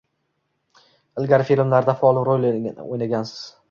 Ilgari filmlarda rol o‘ynagansiz.